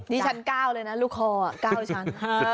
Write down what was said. นี่ฉันก้าวเลยนะลูกคอก้าวฉัน